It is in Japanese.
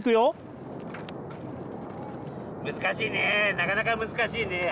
難しいねぇなかなか難しいねぇ。